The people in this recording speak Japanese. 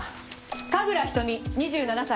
神楽瞳２７歳。